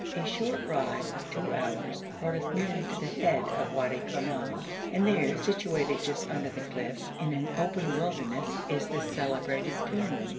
A short ride of two hours brought us nearly to the head of the Wadi Khonab, and there, situated just under the cliff, in an open wilderness, is the celebrated tomb.